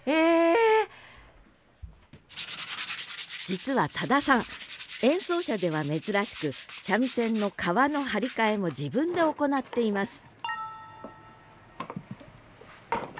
実は多田さん演奏者では珍しく三味線の皮の張り替えも自分で行っています